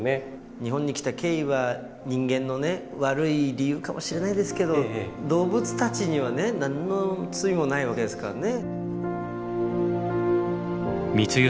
日本に来た経緯は人間のね悪い理由かもしれないですけど動物たちにはね何の罪もないわけですからね。